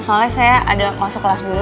soalnya saya ada masuk kelas dulu